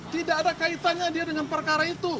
tidak ada kaitannya dia dengan perkara itu